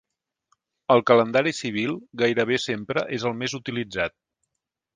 El calendari civil gairebé sempre és el més utilitzat.